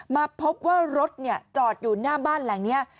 มาพบว่ารถจอดอยู่หน้าบ้านหลังนี้